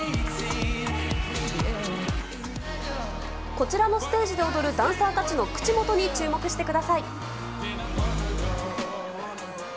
こちらのステージで踊るダンサーたちの口元に注目してください。